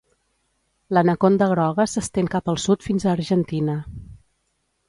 L'anaconda groga s'estén cap al sud fins a Argentina.